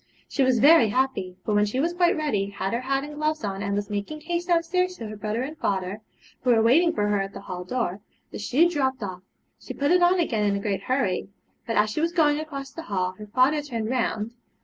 She was very happy; but when she was quite ready, had her hat and gloves on, and was making haste downstairs to her brother and father, who were waiting for her at the hall door, the shoe dropped off. She put it on again in a great hurry, but as she was going across the hall her father turned round.